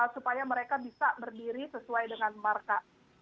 supaya mereka bisa berdiri sesuai dengan marka